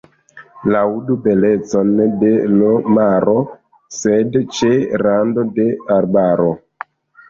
Laŭdu belecon de l' maro, sed ĉe rando de arbaro.